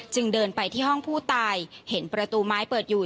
เดินไปที่ห้องผู้ตายเห็นประตูไม้เปิดอยู่